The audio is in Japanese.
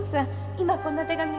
今こんな手紙が。